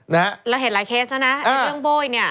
นะฮะเราเห็นหลายเคสแล้วนะอ่าเรื่องบ้วยเนี่ย